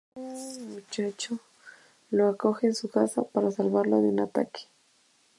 Otro muchacho lo acoge en su casa para salvarlo de un ataque.